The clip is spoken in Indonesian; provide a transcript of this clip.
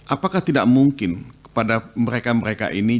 apakah tidak mungkin kepada mereka mereka ini